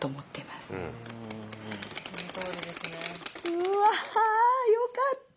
「うわよかった。